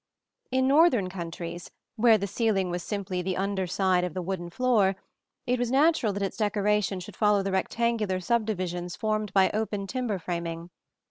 In northern countries, where the ceiling was simply the under side of the wooden floor, it was natural that its decoration should follow the rectangular subdivisions formed by open timber framing.